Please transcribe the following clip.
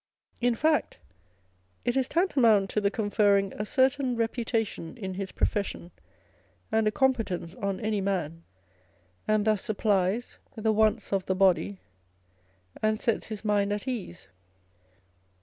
In fact, it is tantamount to the conferring a certain reputation in his profession and a competence on any man, and thus supplies the wants of the body and sets his mind at ease.